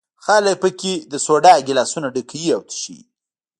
خلک په کې د سودا ګیلاسونه ډکوي او تشوي.